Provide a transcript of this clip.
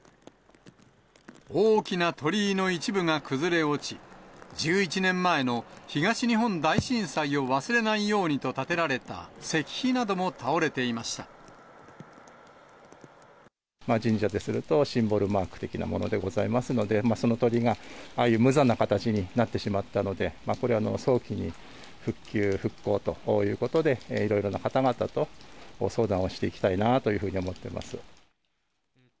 大きな鳥居の一部が崩れ落ち、１１年前の東日本大震災を忘れないようにと建てられた、石碑など神社とすると、シンボルマーク的なものでございますので、その鳥居がああいう無残な形になってしまったので、これは早期に復旧・復興ということで、いろいろな方々と相談をしていきたいなというふうに思っています。